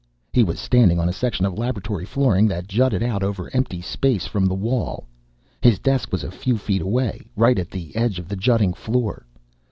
He was standing on a section of laboratory flooring that jutted out over empty space from the wall. His desk was a few feet away, right at the edge of the jutting floor.